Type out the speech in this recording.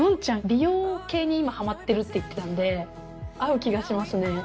美容系に今ハマってるって言ってたんで合う気がしますね。